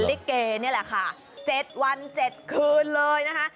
ลิเกนี่แหละค่ะ๗วัน๗คืนเลยนะคะ